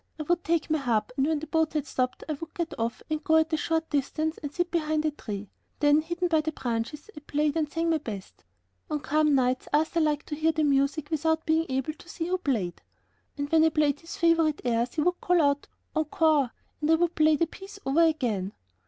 I would take my harp and when the boat had stopped I would get off and go at a short distance and sit behind a tree. Then, hidden by the branches, I played and sang my best. On calm nights Arthur liked to hear the music without being able to see who played. And when I played his favorite airs he would call out "Encore," and I would play the piece over again.